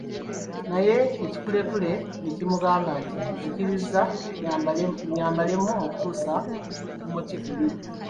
Naye ekikulekule ne kimugamba nti, nzikiriza nnyambalemu okutuusa ku muti guli.